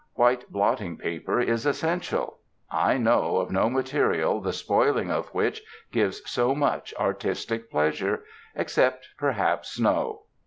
White blotting paper is essential. I know of no material the spoiling of which gives so much artistic pleasure except perhaps snow.